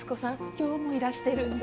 今日もいらしてるんだ。